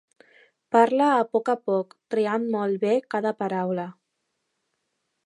Parla a poc a poc, triant molt bé cada paraula.